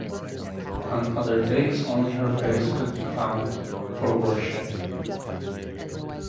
On other days only her face could be found for worship.